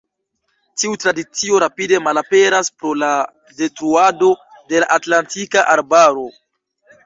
Tiu tradicio rapide malaperas pro la detruado de la atlantika arbaro.